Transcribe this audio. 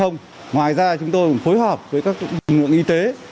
ngoài ra chúng tôi phối hợp với các dịch vụ y tế